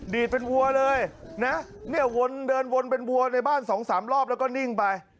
ดเป็นวัวเลยนะเนี่ยวนเดินวนเป็นวัวในบ้านสองสามรอบแล้วก็นิ่งไป